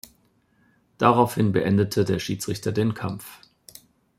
Daraufhin beendete der Schiedsrichter den Kampf.